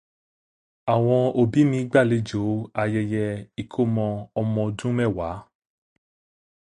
Àwọn òbí mi gbàlejò ayẹyẹ ìkómọ ọmọ ẹ̀gbọ́n wa.